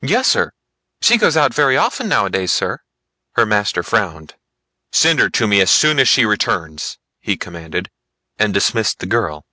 "Yes sir; she goes out very often nowadays, sir." Her master frowned. "Send her to me as soon as she returns," he commanded, and dismissed the girl.